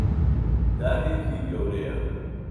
دارێکی گەورەیە.